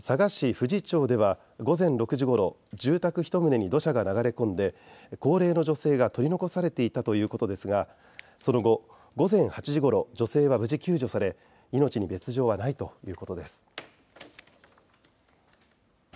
富士町では午前６時ごろ住宅１棟に土砂が流れ込んで高齢の女性が取り残されていたということですがその後、午前８時ごろ女性は無事救助され命に別条はないということです。